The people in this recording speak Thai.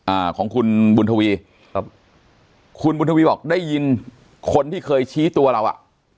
อ่าของคุณบุญทวีครับคุณบุญทวีบอกได้ยินคนที่เคยชี้ตัวเราอ่ะ